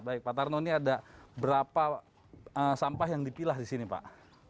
baik pak tarno ini ada berapa sampah yang dipilah di sini pak